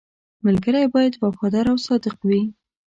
• ملګری باید وفادار او صادق وي.